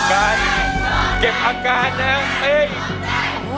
เป็นการเก็บอาการแหน่งเอง